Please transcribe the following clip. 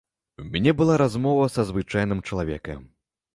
У мяне была размова са звычайным чалавекам.